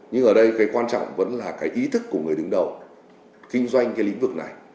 nhưng ở đây cái quan trọng vẫn là cái ý thức của người đứng đầu kinh doanh cái lĩnh vực này